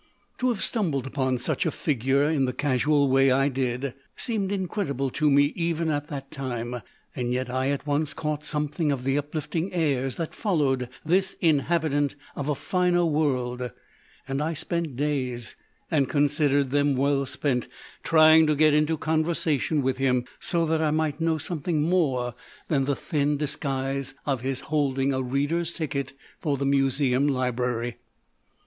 To have stumbled upon such a figure in the casual way I did seemed incredible to me even at the time, yet I at once caught something of the uplifting airs that followed this inhabitant of a finer world, and I spent days â and considered them well 262 THE OLD MAN OF VISIONS spent â trying to get into conversation with him, so that I might know something more than the thin disguise of his holding a reader's ticket for the Museum Library.